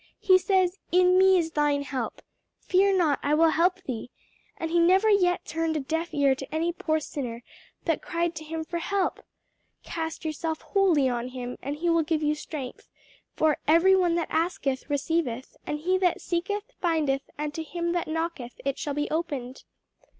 "He says, 'In me is thine help.' 'Fear not; I will help thee,' and he never yet turned a deaf ear to any poor sinner that cried to him for help. Cast yourself wholly on him and he will give you strength; for 'every one that asketh, receiveth; and he that seeketh, findeth; and to him that knocketh it shall be opened.'"